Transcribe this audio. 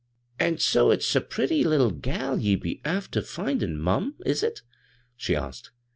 " An' so it's a pretty little gal ye'd be after findin', mum ; is it ?" she asked.